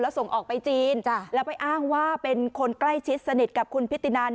ส่งออกไปจีนแล้วไปอ้างว่าเป็นคนใกล้ชิดสนิทกับคุณพิธินัน